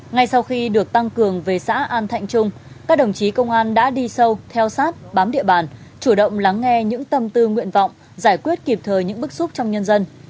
ngay sau khi được tăng cường về xã an thạnh trung các đồng chí công an đã đi sâu theo sát bám địa bàn chủ động lắng nghe những tâm tư nguyện vọng giải quyết kịp thời những bức xúc trong nhân dân